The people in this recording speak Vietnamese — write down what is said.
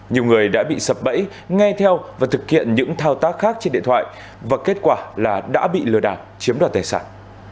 nhiều người đã bị sập bẫy nghe theo và thực hiện những thao tác khác trên điện thoại và kết quả là đã bị lừa đảo chiếm đoạt tài sản